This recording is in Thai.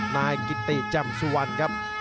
นายกิติจำสุวรรค์ครับ